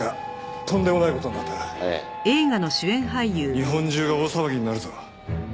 日本中が大騒ぎになるぞ。